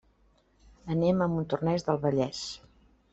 Anem a Montornès del Vallès.